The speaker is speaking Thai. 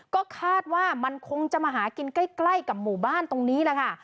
ก็คาดว่ามันคงจะมาหากินใกล้กับหมู่บ้านตรงนี้แหละค่ะ